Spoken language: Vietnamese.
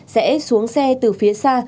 sẽ xuống xe từ phía xa